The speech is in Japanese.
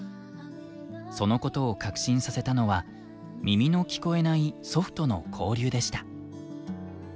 そのことを確信させたのは耳の聞こえない祖父との交流でした。